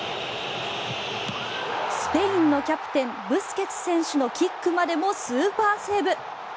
スペインのキャプテンブスケツ選手のキックまでもスーパーセーブ。